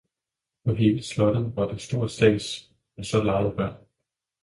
på hele slottet var der stor stads, og så legede børnene.